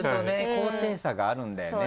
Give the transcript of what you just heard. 高低差があるんだよね